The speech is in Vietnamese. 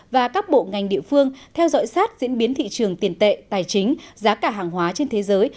và các bộ ngành địa phương theo dõi sát diễn biến thị trường tiền tệ tài chính giá cả hàng hóa trên thế giới